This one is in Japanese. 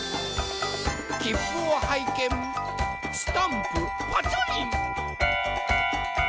きっぷをはいけんスタンプパチョリン。